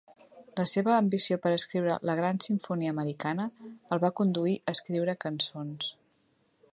La seva ambició per escriure la "gran simfonia americana" el va conduir a escriure cançons.